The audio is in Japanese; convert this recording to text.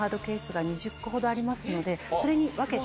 それに分けて。